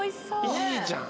いいじゃん。